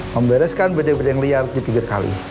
membereskan pedagang pedagang liar di pinggir kali